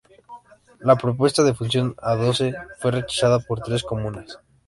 La propuesta de fusión a doce fue rechazada por tres comunas.